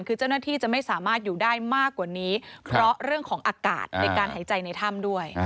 คือเจ้าหน้าที่จะไม่สามารถอยู่ได้มากกว่านี้เพราะเรื่องของอากาศในการหายใจในถ้ำด้วย